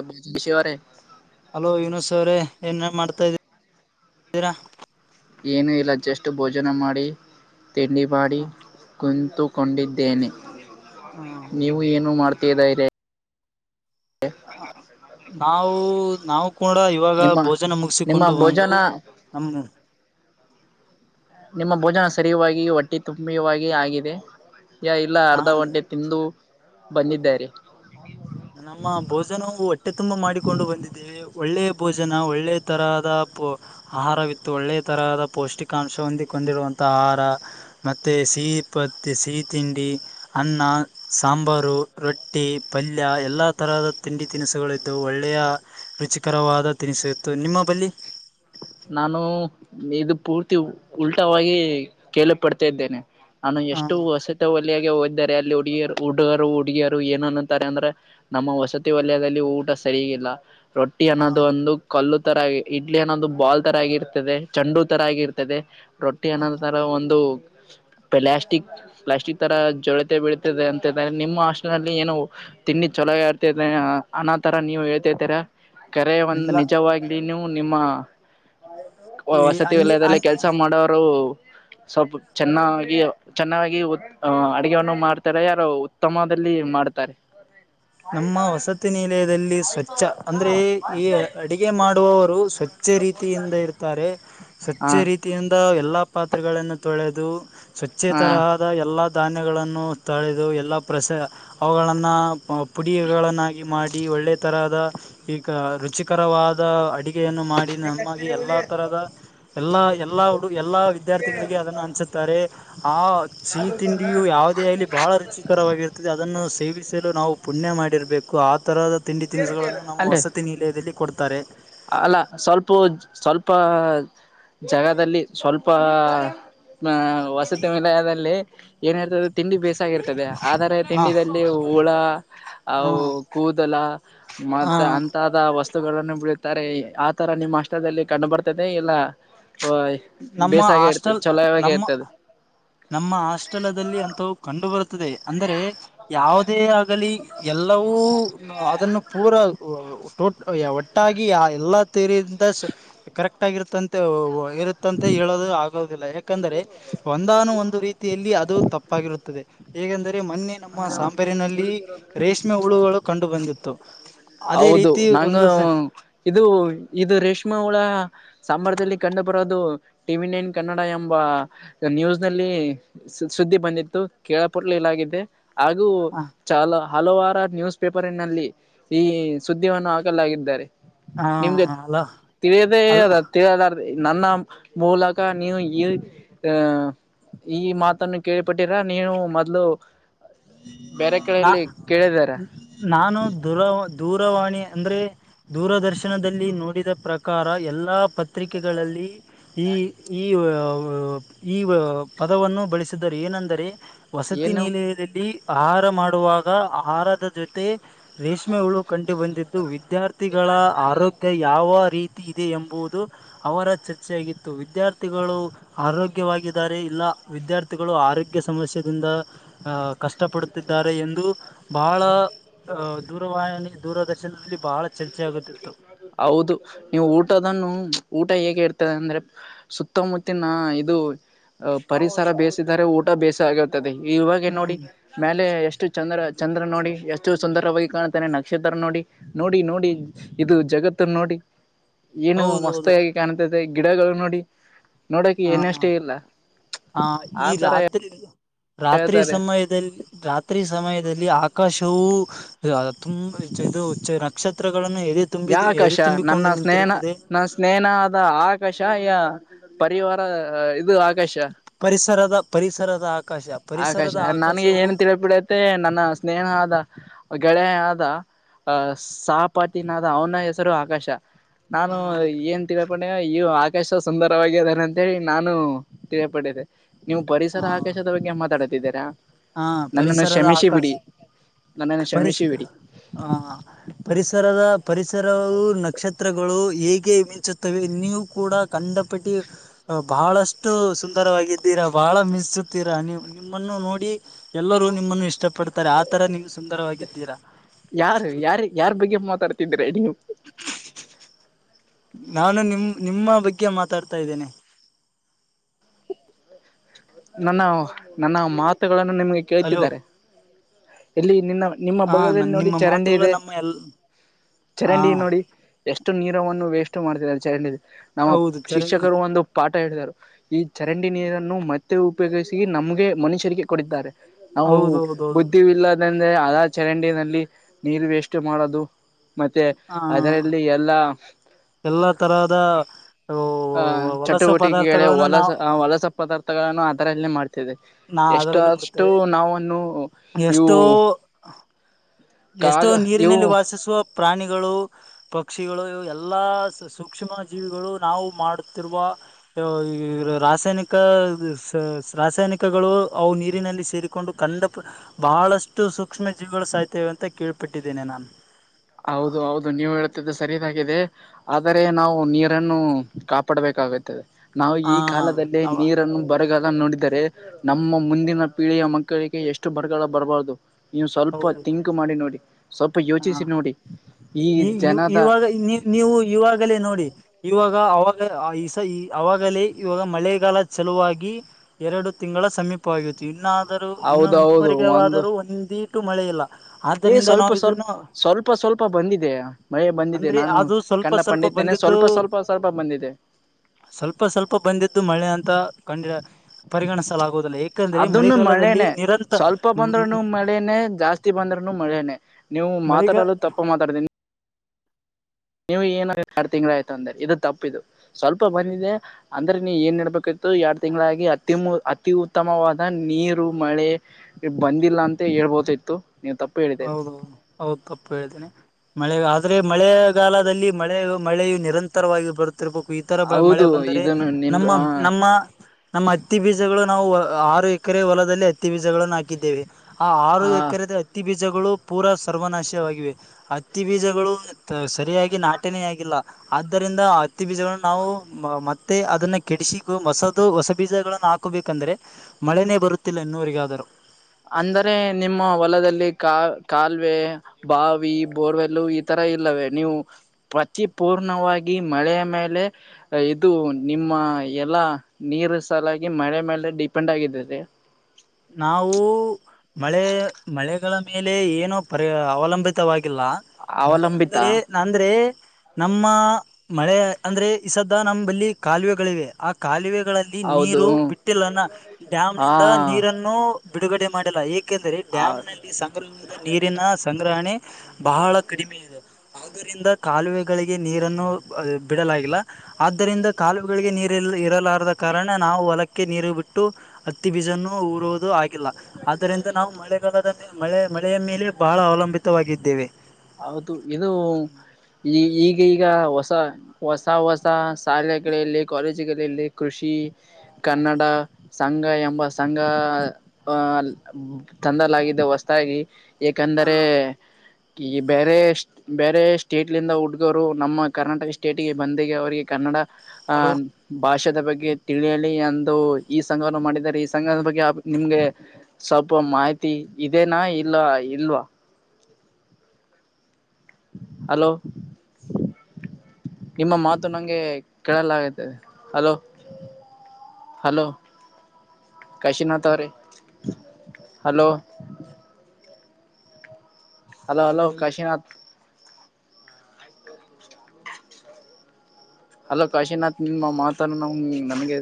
ಅ ಬಷೇ ಅವರೆ. ಹಲೋ ಯನಸ್ ಅವ್ರೇ ಏನ ಮಾಡ್ತಾ ಇದೀರಾ. ಏನುೂ ಇಲ್ಲ ಜಸ್ಟ್ ಭೋಜನ ಮಾಡಿ ತಿಂಡಿ ಮಾಡಿ. ಕುಂತುಕೊಂಡಿದ್ದೇನೆ ನೀವು ಏನು ಮಾಡ್ತಿದ್ದ ಇರೆ. ನಾವು ನಾವು ಕೂಡ ಇವಾಗ ನಿಮ್ಮ ಭೋಜನ ನಿಮ್ಮ ಮುಗಿಸಿಕೊಂಡು ಬಂದು. ಭೋಜನ ಹಮದು. ನಿಮ್ಮ ಭೋಜನ ಸರಿಯವಾಗಿಾಗಿ ಹೊಟ್ಟೆ ತುಂಬಾಗಿ ಆಗಿದೆ ಯ ಇಲ್ಲ ಅರ್ಧ ನಾನ್ ಹೊಟ್ಟೆ. ತಿಂದು ಬಂದಿದ್ದಾರೆ. ನಮ್ಮ ಭೋಜನವು ಹೊಟ್ಟೆ ತುಂಬಾ ಮಾಡಿಕೊಂಡು ಬಂದಿದೆ. ಒಳ್ಳೆ ಭೋಜನ ಒಳ್ಳೆ ತರಹದ ಪ. ಆಹಾರವಿತ್ತು ಒಳ್ಳೆ ತರಹದ ಪೌಷ್ಟಿಕಾಂಶ ಹೊಂದಿಗೆ ಹೊೊಂಡಿರುವಂತಹ ಆಹಾರ. ಮತ್ತೆ ಸಿಹಿ ಪತ್ತ ಸಿಹಿ ತಿಂಡಿ. ಅನ್ನ ಸಾಂಬಾರು ರೊಟ್ಟಿ ಪಲ್ಲಿ. ಇಲ್ಲಿಯ ಎಲ್ಲಾ ತರಹದ ತಿಂಡಿ ತಿನಿಸುಗಳುತ್ತು ಒಳ್ಳೆಯ. ರುಚಿಕರವಾದ ತಿನಿಸು ಇತ್ತು ನಿಮ್ಮ ಬಳ. ನಾನು ಇದು ಪೂರ್ತಿ ಉಲ್ಟವಾಗಿ ಕೇಳೇಳ ಪಡ್ತಾ ಇದ್ದೇನೆ. ನಾನು ಹ ಎಷ್ಟು ಹೊಸತ ಒಲಯಾಗ ಹೋಗ್ದಾರೆ ಅಲ್ಲಿ ಹುಡುಗಿಯರು ಹುಡುಗರು ಹುಡುಗಿಯರು ಏನ ಅಂನೊತಾರೆ ಅಂದ್ರ. ನಮ್ಮ ವಸತಿ ವಲಯದಲ್ಲಿ ಊಟ ಸರಿಗಿಲ್ಲ ರೊಟ್ಟಿ ಹ ಅನ್ನೋದು ಒಂದು ಕಲ್ಲು ತರ. ಲೇ ನಂದು ಬಾಲ್ ತರ ಆಗಿರ್ತದೆ ಚಂಡು ತರ ಆಗಿರ್ತದೆ ರೊಟ್ಟ. ಟೇ ಹ ನಂತರ ಒಂದು ಪ್ಲ್ಯಾಸ್ಟಿಕ್. ಪ್ಲಾಸ್ಟಿಕ್ ತರ ಜೋಳಿತೆ ಬೀಳ್ತಿದೆ ಅಂತ್ರೆ ನಿಮ್ಮ ಹಾಸ್ಟೇಲ್ ಏನು. ತಿಂಡಿ ಚೊಲಾಗ ಆರ್ತ ಅನ ತರ ನೀವ್ ಹೇಳ್ತಾ ಇದತರಾ. ಕೆರೆ ಒಂದು ಇಲ್ಲ ನಿಜವಾಗ್ಲೂ ನಿಮ್ಮ. ಈ ವಸತಿ ಹಂಗೆ ವಲಯದಲ್ಲಿ ಕೆಲ್ಸ ಹಂಗ್ ಮಾಡೋರು. ಸ್ವಲ್ಪ ಚೆನ್ನಾಗಿ ಚೆನ್ನಾಗಿ. ಹ ಅಡಗೆವನ್ನು ಮಾಡ್ತಾರೆ ಯಾರು ಉತ್ತಮದಲ್ಲಿ ಮಾಡ್ತಾರೆ. ನಮ್ಮ ವಸತಿ ನಿಲಯದಲ್ಲಿ ಸ್ವಚ್ಛ ಅಂದ್ರೆ ಈ. ಅಡುಗೆ ಮಾಡುವವರು ಸ್ವಚ್ಛ ರೀತಿಯಿಂದ ಇರ್ತಾರೆ ಸ್ವಚ್ಛ ಹಾ ರೀತಿ ವತಿಯಿಂದ ಎಲ್ಲ ಪಾತ್ರೆಗಳನ್ನು ತೊಳೆದು ಸ್ವಚ್ಛೇ ಹಾ ತರ. ಎಲ್ಲಾ ಧಾನ್ಯಗಳನ್ನು ತಳೆದು ಎಲ್ಲ ಪ್ರಸ ಅವುಗಳಗಳನ್ನು. ಪುಡಿಗಳನ್ನಾಗಿ ಮಾಡಿ ಒಳ್ಳೆ ತರಹದ ಈಗ ರುಚಿಕರವಾದ ಅಡಿ. ಅಡುಗೆಯನ್ನಮಾಡಿ ನಮ್ಮಗೆ ಎಲ್ಲಾ ತರದ. ಎಲ್ಲಾ ಎಲ್ಲಾ ಹುಡು ಎಲ್ಲಾ ವಿದ್ಯಾರ್ಥಿಗಳಿಗೆ ಅದನ್ನು ಅಂಚುತ್ತಾರೆ ಆ..... ಸಿಹಿ ತಿಂಡಿಯು ಯಾವುದೇ ಆಗಲಿ ಬಹಳ ರುಚಿಕರವಾಗಿರುತ್ತ. ತ್ತೆ ಅದನ್ನು ಸೇವಿಸಲು ನಾವು ಪುಣ್ಯ ಮಾಡಿರಬೇಕು ಆ ತರಹದ. ತಿಂಡಿ ತಿನಿಸುಗಳನ್ನು ನಮ್ಮ ಅಲ್ಲೇ ವಸತಿ ನಿಲಯದಲ್ಲಿ ಕೊಡ್ತಾರೆ. ಅಲ್ಲ ಸ್ವಲ್ಪವು ಸ್ವಲ್ಪ ಜಗದಲ್ಲಿ ಸ್ವಲ್ಪ. ಮ್ಮ್ ವಸತಿ ವಿಲಯದಲ್ಲಿ ಏನ್ ಇರ್ತದಿ ತಿಂಡಿ ಬೇಸಾಗಿರ್ತದೆ. ಆದರೆ ಹ ತಿಂಡಿದಲ್ಲಿ ಹುಳ ಹ ಅವ್ ಕೂದಲ ಹ ಮತ್ತ ಅಂತ. ಅಂತ ವಸ್ತುಗಳನ್ನು ಬಿಳ್ತ್ತಾರೆ ಆತರ ನಿಮ್ಮ ಹಾಸ್ಟ್ದಲ್ಲಿ ಕಂಡು ಬರ್ತೖತೆ ಇಲ್ಲ. ನಮ್ಮ ಬೇಸಾಗಿ ಇರ್ತದೆ ಹಾಸ್ಟೆಲ್ ಚಲೋ ಆಗೆ ನಮ್ಮ ಇರ್ತದೆ. ನಮ್ಮ ಹಾಸ್ಟೆಲದಲ್ಲಿ ಅಂತವು ಕಂಡು ಬರುತ್ತದೆ ಅಂದ್ರೆ ಯಾವುದೇ ಆಗಲಿ. ಎಲ್ಲವೂ ಅದನ್ನು ಪೂರ ಉ ಟೊ. ಒಟ್ಟಾಗಿ ಎಲ್ಲಾ ತೀರಿಯಿಂದ ಕರೆಕ್ಟಾಗಿರ್ತ್ತಂತ. ತಂತ ಹೇಳಲ್ಲು ಆಗೋದಿಲ್ಲ ಯಾಕಂದರೆ ಒಂದಾನೊ ಒಂದು ರೀತಿಯಲ್ಲಿ ಅದು ತಪ್ಪಾಗಿರುತ್ತದೆ. ಹೇಗೆಂದರೆ ಮೊನ್ನೆ ನಮ್ಮ ಹೌದು ಸಾಂಬಾರಿನಲ್ಲಿ ರೇಷ್ಮೆ ಹುಳುಗಳು ಕಂಡು ಬಂದಿತ್ತು. ಅದೇ ಹೌದು ರೀತಿ ನಂಗ ಒಂದು ಸ. ಇದು ಇದು ರೇಷ್ಮಾ ಹುಳ. ಸಂಬಾರದಲ್ಲಿ ಕಂಡು ಬರೋದು ಟಿ ವಿ ನೈನ್ ಕನ್ನಡ ಎಂಬ ನ್ಯೂಸ್ನಲ್ಲಿ. ಸುದ್ದಿ ಬಂದಿತ್ತು ಕೇಳಪುರದಲ್ಲಿ ಇಲಾಗಿದೆ ಹಾಗೂ ಹ ಚ ಹಲವಾರ ನ್ಯೂಸ್. ಪೇಪರ್ ನಲ್ಲಿ ಈ ಸುದ್ದಿವನ್ನು ಹಾಕಲಾಗಿದೆ. ನಿಮ್ಗೆ ಅಲ್ಲ ತಿಳೆದೆ ಅಲ್ಲ ಯದ ತಿಯಳದ. ನನ್ನ ಮೂಲಕ ನೀವ್ ಈ ಅ. ಈ ಮಾತನ್ನು ಕೇಳಿಪಟ್ಟಿರ ನೀನು ಮೊದ್ಲು. ಬೇರೆ ನಾ ಕಡೆಯಲ್ಲಿ ಕೇಳಿದೆ. ನಾನು ದೂರಾ ದೂರವಾಣಿ ಅಂದ್ರೆ ದೂರ ದರ್ಶನದಲ್ಲಿ ನೋಡಿದ ಪ್ರಕಾರ ಎಲ್ಲಾ ಪತ್ರಿಕೆಗಳಲ್ಲಿ ಈ ಈ ಉ ಈ ವ್ ಪದವನ್ನು ಬಳಸಿದ್ದರೆ ಏನೆಂದರೆ ವಸತಿ ಏನು ನಿಲಯದಲ್ಲಿ ಆಹಾರ ಮಾಡುವಾಗ ಆಹಾರದ ಜೊತೆ ರೇಷ್ಮೆ ಹುಳು ಕಂಡು ಬಂದಿದ್ದು ವಿದ್ಯಾರ್ ದ್ಯಾರ್ಥಿ ಗಳ ಆರೋಗ್ಯ ಯಾವ ರೀತಿ ಇದೆ ಎಂಬುದು. ಅವರ ಚರ್ಚೆಯಾಗಿತ್ತು ವಿದ್ಯಾರ್ಥಿಗಳು. ಆರೋಗ್ಯವಾಗಿದ್ದಾರೆ ಇಲ್ಲ ವಿದ್ಯಾರ್ಥಿಗಳು ಆರೋಗ್ಯ ಸಮಸ್ಯೆದಿಂದ ಕಷ್ಟಪಡು. ತಿದ್ದಾರೆ ಎಂದು ಬಹಳ ದೂರವಾಹಿನಿ ದೂರದರ್ಶನದಲ್ಲಿ ಬಹಳ. ಚರ್ಚೆ ಆಗುತ್ತಿತ್ತು ಹೌದು ನೀವು ಊಟದನ್ನೂ ಊಟ ಹೇಗೆ ಇರ್ತದೆ ಅಂದ್ರೆ ಸುತ್ತಮುತ್ತಿನ ಇದು ಅಹ್ ಪರಿಸರ ಬೇಸಿದರೆ ಊಟ ಬೇಸ ಆಗತ್ತ. ತ್ತದೆ ಇವಾಗೇ ನೋಡಿ. ಹ್ಮ್ ಮ್ಯಾಲೆ ಎಷ್ಟು ಚಂದ್ರ ಚಂದ್ರ ನೋಡಿ ಎಷ್ಟು ಸುಂದರವಾಗಿ ಕಾಣತ್ತಾನೆ ನಕ್ಷತ್ರ ನೋಡಿ. ನೋಡಿ ನೋಡಿ ಇದು ಜಗತ್ತು ನೋಡಿ ಏನು ಹೌದೌದು ಮಸ್ತ ಕಾಣತತ್ಯೆ ಗಿಡಗಳ್ ನೋಡಿ. ನೋಡೋಕೆ ಹಾ ಏನಷ್ಟೇ ಇಲ್ಲ ಅ ಈ ಆತರ ರಾತ್ರಿ. ರಾತ್ರಿ ಹೇಳ್ತಾರೆ ಸಮಯದಲ್ಲಿ ರಾತ್ರಿ ಸಮಯದಲ್ಲಿ ಆಕಾಶವೂ ಆ ತುಂ ಚೆ ಇದು ಚೆ ನಕ್ಷತ್ರಗಳನ್ನು ಎದೆ ತುಂಬಿ ಯಾ ಎದೆ ಆಕಾಶ ನನ್ನ ತುಂಬಿಕೊಂಡು ಸ್ನೇಹ ನಿಂತಿರುತ್ತದೆ ನ ಸ್ನೇನದ ಆಕಾಶ ಯಾ ಪರಿವಾರ ಇದು ಆಕಾಶ ಪರಿಸರದ ಪರಿಸರದ ಆಕಾಶ ಆಕಾಶ ಪರಿಸರದ ನನ್ಗೆ ಆಕಾಶವು ಏನಾ ತಿಳಿಯ್ಕೆ ಮತ್ತೆ ನನ್ನ ಸ್ನೇಹದ ಗೆಳೆಯಾದ ಸಹಪ ತಿನ್ನದ ಅವನ ಹೆಸರು ಆಕಾಶ ನಾನು ಹಾ ಏನ್ಂತಿ ಪೂಣ್ಯ ಈ ಆಕಾಶ ಸುಂದರವಾಗಿದಾನೆ ಅಂತೇಳಿ ನಾನು ತಿಳಿಯಪಟ್ಟಿರೆ. ನೀವು ಹ ಪರಿಸರ ಆಕಾಶದ ಬಗೆ ಮಾತನಾಡಕ್ಕಾತ್ತಿರ ಹಾ ನನ್ನನ್ನು ಶ್ಷಮಿಸಿ ಬಿಡಿ. ನನ್ನನ್ನು ಪರಿಸ ಕ್ಷಮಿಸಿ ಬಿಡಿ ಹ ಹ್. ಪರಿಸರದ ಪರಿಸರವು ನಕ್ಷತ್ರಗಳು ಹೇಗೆ ಮಿಂಚುತ್ತವೆ ನೀವು ಕೂಡ ಕಂಡಪಟ್ಟಿ. ಬಹಳಷ್ಟು ಸುಂದರವಾಗಿದ್ದೀರಾ ಬಹಳ ಮೀಿಸುತ್ತೀರಾ ನೀವು ನಿಮ್ಮನ್ನು ನೋಡಿ ಎಲ್ಲರೂ ನಿಮ್ಮನ್ನು ಇಷ್ಟ ಪಡ್ತಾರೆ ಆತರ ನೀವು ಸುಂದರವಾಗಿದ್ದೀರಾ. ಯಾರು ಯಾರ ಯಾರ್ ಬಗ್ಗೆ ಮಾತಾಡ್ತಿದ್ರೆ ನೀವು. ನಾನು ನಿಮ್ ನಿಮ್ಮ ಬಗ್ಗೆ ಮಾತಾಡ್ತಾ ಇದ್ದೇನೆ. ನನ್ನ ನನ್ನ ಮಾತುಗಳನ್ನು ನಿಮ್ಗೆ ಅಲೋ ಕೇಳ್ತಿದ್ದಾರೆ ಇಲ್ಲಿ ನಿನ್ನ ನಿಮ್ಮ ಹಾ ಭಾಗದಲ್ಲಿ ನನ್ ನೋಡಿ ನಿಮ್ಮ ಚರಂಡಿ ಮಾತುಗಳು ಇದೆ ನಮ್ಮ ಎಲ್ ಹಾ ಚರಂಡಿ ನೋಡಿ. ಎಷ್ಟು ನೀರವನ್ನು ವೇಸ್ಟ್ ಮಾಡ್ತಾರೆ ಚರಂಡಿ ನಮ್ಮ ಹೌದು ಚರಂಗ್ ಶಿಕ್ಷಕರು ಒಂದು ಪಾಠ ಹೇತಿದರು ಈ ಚರಂಡಿ ನೀರನ್ನು ಮತ್ತೆ ಉಪಯೋಗಿಸಿ ನಮ್ಗೆ ಮನುಷ್ಯರಿಗೆ ಕೊಡಿದ್ದಾರೆ. ನಾವು ಹೌದೌದೌದು ಬುದ್ಧಿವಿಲ್ಲದಂದ್ರೆ ಅದ ಚರಂಡಿಿನಲ್ಲಿ ನೀರ್ ವೇಸ್ಟ್ ಮಾಡೋದು. ಮತ್ತೆ ಅದರಲ್ಲಿ ಎಲ್ಲಾ. ಎಲ್ಲ ತರಹದ. ಅಹ ವಲಸೆ ಚಟುವಟಿಕೆಗಳ ಪದಾರ್ಥಗಳನ್ನು ಹೊಲಸ ನಾವು ಹೊಲಸ ಪದಾರ್ಥಗಳನ್ನು ಅದರಲ್ಲ ಮಾಡ್ತ ನಾ ಅದರಲ್ಲಿ ಎಷ್ಟಷ್ಟು ಬಿಡ್ತೇವೆ ನಾವನ್ನು ಇವು ಎಷ್ಟೋ ಎಷ್ಟೋ ಕಾಗ ಇವು ನೀರಿನಲ್ಲಿ ವಾಸಿಸುವ ಪ್ರಾಣಿಗಳು. ಪಕ್ಷಿಗಳು ಎಲ್ಲಾ ಸೂಕ್ಷ್ಮ ಜೀವಿಗಳು ನಾವು ಮಾಡುತ್ತಿರುವ. ರಾಸಾಯನಿಕ ರಾಸಾಯನಿಕ. ಪಕ್ಕಗಳು ಅವು ನೀರಿನಲ್ಲಿ ಸೇರಿಕೊಂಡು ಕಂಡ ಬಹಳಷ್ಟು ಸೂಕ್ಷ್ಮ ಜೀವಿಗಳು ಸಾಯ್ತೇವೆ ಅಂತ ಕೇಳ್ಪಿಟ್ಟಿದ್ದೇನೆ ನಾನ್. ಹೌದು ಹೌದು ನೀವ್ ಹೇಳ್ತಿದ್ದೆ ಸರಿದಾಗಿದೆ. ಆದರೆ ನಾವು ನೀರನ್ನು ಕಾಪಾಡಬೇಕಾಗುತ್ತದೆ ನಾವು ಈ ಕಾಲದಲ್ಲಿ ಹ ನೀರನ್ನು ಬರಗಾಲ ನೋಡಿದರೆ ನಮ್ಮ ಮುಂದಿನ ಪೀಳಿಯ ಮಕ್ಕಳಿಗೆ ಎಷ್ಟು ಬರಗಾಲ ಬರಬಾರದು. ನೀವು ಸ್ವಲ್ಪ ಹೌದು ತಿಂಕ್ ಮಾಡಿ ನೋಡಿ ಸ್ವಲ್ಪ ಯೋಚಿಸಿ ಹ ನೋಡಿ. ಈ ಇವಾಗ ನೀ ನೀವು ಇವಾಗಲೇ ನೋಡಿ. ಇವಾಗ ಅವಾಗ ಈ ಈ ಆಗಲೇ ಇವಾಗ ಮಳೆಗಾಲ ಚೆಲುವಾಗಿ. ಎರಡು ತಿಂಗಳ ಸಮೀಪ. ತಪ್ಪತ್ತು ಇನ್ನಾದರೂ ಇನ್ನುೂ ಹೌದ ಹೌದು ಒಂದು ಇನ್ನವರೆಗೆಾದರೂ ಒಂದಿಟು ಮಳೆ ಇಲ್ಲ ಏ ಆದ್ದರಿಂದ ಸ್ವಲ್ಪ ನಾವು ಇದನ್ನು ಸ್ವಲ್ಪ ಸ್ವಲ್ಪ ಸ್ವಲ್ಪ ಬಂದಿದೆೆಯ. ಮಳೆ ಬಂದಿದೆ ಅಂದ್ರೆ ನಾನು ಅದು ಸ್ವಲ್ಪ ಕಂಡ ಸ್ವಲ್ಪ ಪಂಡಿತನೇ ಬಂದಿದ್ದು ಸ್ವಲ್ಪ ಸ್ವಲ್ಪ ಸ್ವಲ್ಪ ಬಂದಿದ್ದೆ. ಸ್ವಲ್ಪ ಸ್ವಲ್ಪ ಬಂದಿದ್ದು ಮಳೆ ಅಂತ ಕಂಡಿರ ಪರಿಗಣಿಸಲಾಗುವುದಿಲ್ಲ ಯಾಕಂದ್ರೆ ಅದನ್ನು ಮಳೆಗಾಲದಲ್ಲಿ ಮಳೆನೆ ನಿರಂತರ ಹ ಬಂದ್ರನು ಮಳನೆ ನೀವು ಮಾತಾಡಲು ತಪ್ಪ ಮಾತಾಡತೀನಿ. ನೀವು ಏನ ಎರಡು ತಿಂಗಗಳ ಆಯ್ತು ಅಂದ್ರೆ ಇದು ತಪ್ಪ ಇದು ಸ್ವಲ್ಪ ಬಂದಿದೆ. ಅಂದ್ರೆ ನೀ ಏನ್ ನಡ್ಬೇಕಾಗಿತ್ತು ಎರಡ್ ತಿಂಗಳಾಗಿ ಅತಿ ಅತಿ ಉತ್ತಮವಾದ ನೀರು ಮಳೆ ಬಂದಿಲ್ಲ ಅಂತ ಹೇಳ್ಬೋತ ಇತ್ತು ನೀ ತಪ್ಪ. ಹೌದೌ ಹೌದು ತಪ್ಪು ಹೇಳ್ತೇನೆ. ಮಳೆ ಆದ್ರೆ ಮಳೆಗಾಲದಲ್ಲಿ ಮಳೆ ಮಳೆಯು ನಿರಂತರವಾಗಿ ಬರು ರ್ಬೇಕು ಈ ತರ ಮಳೆ ಹೌದು ಬಂದರೆ ಇದನ್ನು ನಿಮ್ದು ನಮ್ಮ ಹ ನಮ್ಮ. ನಮ್ಮ ಹತ್ತಿ ಬೀಜಗಳು ನಾವು ಆರು ಎಕರೆ ಹೊಲದಲ್ಲಿ ಹತ್ತಿ ಬೀಜಗಳನ್ನು ಹಾಕಿದ್ದೇವೆ. ಆ ಆರು ಹ ಎಕರೆದ ಅತ್ತಿ ಬೀಜಗಳು ಪೂರಾ ಸರ್ವನಾಶವಾಗಿವೆ ಅತ್ತಿ ಬೀಜಗಳು ಸರಿಯಾಗಿ ನಾಟನೇ ಆಗಿಲ್ಲ. ಆದ್ದರಿಂದ ಹತ್ತಿ ಬೀಜಗಳನ್ನು ನಾವು ಮತ್ತೆ ಅದನ್ನ ಕೆಡಿಸ ಮಸದು ಹೊಸ ಬೀಜನ್ನ ಹಾಕ ಹಾಕೋಬೇಕಂದ್ರೆ ಮಳೆನೇ ಬರುತ್ತಿಲ್ಲ ಇನ್ನುವಗಾದರು. ಅಂದರೆ ನಿಮ್ಮ ಹೊಲದಲ್ಲಿ ಕಾ ಕಾಲುವೆ ಬಾವಿ ಬೋರ್ವೆಲ್ಲ ಈ ತರ ಇಲ್ಲವೇ ನೀವು ಪತಿಪೂರ್ಣವಾಗಿ ಮಳೆಯ ಮೇಲೆ ಇದು ನಿಮ್ಮ ಎಲ್ಲ ನೀರು ಸಲಾಗಿ ಮಳೆ ಮೇಲೆ ಡಿಪೆಂಡ್ ಆಗಿದೆ. ನಾವು. ಮಳೆ ಮಳೆಗಳ ಮೇಲೆ ಏನು ಪರಿ ಅವಲಂಬಿತವಾಗಿಲ್ಲ. ಮಳೆ ಅವಲಂಬಿತ ಅ್ರ ನಂದ್ರೆ ನಮ್ಮ ಮಳೆ ಅಂದ್ರೆ ಈಸದ ನಮ್ಮಲ್ಲಿ ಕಾಲುವೆಗಳಿವೆ ಆ ಕಾಲುವೆಗಳಲ್ಲಿ. ಹೌದು ನೀರು ಬಿಟ್ಟಿಲ್ಲ ಹಾ ಡ್ಯಾಮ್ನಂದ ನೀರನ್ನು ಬಿಡುಗಡೆ ಮಾಡಿಲ್ಲ ಏ ಯಾಕೆಂದ್ರರೆ ಡ್ಯಾಮ್ ಆ ನಲ್ಲಿ ಸಂಗ್ರಹದ ನೀರಿನ ಸಂಗ್ರಹಣೆ ಬಹಳ ಕಡಿಮೆ ಇದೆ. ಆದ್ದರಿಂದ ಕಾಲುವೆಗಳಿಗೆ ನೀರನ್ನು ಬಿಡಲಾಗಿಲ್ಲ. ಆದ್ದರಿಂದ ಕಾಲುುವಗಳಿಗೆ ನೀರಿ ಇರಲಾರದ ಕಾರಣ ನಾವು ಹೊಲಕ್ಕೆ ನೀರು ಬಿಟ್ಟು. ಹತ್ತಿ ಬೀಜನ್ನು ಉಊರುದು ಆಗಿಲ್ಲ ಆದ್ದರಿಂದ ನಾವು ಮಳೆಗಾಲದ ಮಳೆ ಮಳೆಯ ಮೇಲೆ ಬಹಳ ಅವಲಂಬಿತವಾಗಿದ್ದೇವೆ. ಹೌದು ಇದು ಈ ಈಗೀಗ ಹೊಸ ಹೊಸ ಹೊಸ ಶಾಲ ಕಡೆ ಇಲ್ಲ ಕಾಲಜ ಕಡೆ ಇಲ್ಲ ಕೃಷಿ ಕನ್ನಡ ಸಂಘ ಎಂಬ ಸಂಘ ತಂದಲಾಗಿದ್ದ ಹೊಸದಾಗಿ ಆ ಏಕಂದರೆ ಈ ಬೇರೆ ಬೇರೆ ಸ್ಟೇಟ್ಲಿಂದ ಹುಡ್ಗರು ನಮ್ಮ ಕರ್ನಾಟಕ ಸ್ಟೇಟಿಗೆ ಬಂದಗ ಅವರಿಗೆ ಕನ್ನಡಾ ಹಾ ಹಲೋ [unintelligible] ಭಾಷೆದ ಬಗ್ಗೆ ತಿಳಿಯಲಿ ಅಂದು ಈ ಸಂಘವನ್ನು ಮಾಡಿದ್ದಾರೆ ಈ ಸಂಘದ ಬಗ್ಗೆ ನಿಮ್ಗೆ ಸ್ವಲ್ಪ ಮಾಹಿತಿ ಇದೇನಾ ಇಲ್ ಇಲೋ ಹಲೋ ನಿಮ್ಮ ಮಾತು ನಂಗೆ ಕೇಳಲ ಆಗೈತೆ ಹಲೋ ಹಲೋ ಕಾಶಿನಾಥ್ ಅವರೇ hello hello hello Kashinath hello Kashinath ನಿಮ್ಮ ಮಾತಾ ನಮ್ ನಮಗೆ